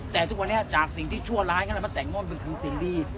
แต่ทุกวันนี้จากสิ่งที่ชั่วร้ายก็เลยมาแต่งม่อนมันคือสิ่งดี